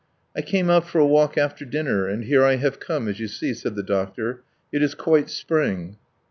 "I came out for a walk after dinner, and here I have come, as you see," said the doctor. "It is quite spring."